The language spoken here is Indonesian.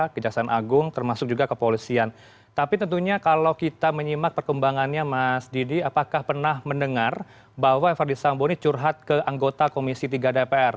kepolisian tapi tentunya kalau kita menyimak perkembangannya mas didi apakah pernah mendengar bahwa fadil samboni curhat ke anggota komisi tiga dpr